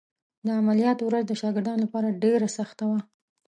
د عملیات ورځ د شاګردانو لپاره ډېره سخته وه.